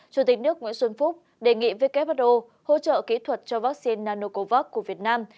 chủ tịch nước nguyễn xuân phúc đề nghị who hỗ trợ kỹ thuật cho vaccine nanocovax của việt nam